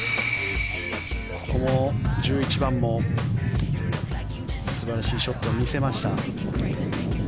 ここ、１１番も素晴らしいショットを見せました。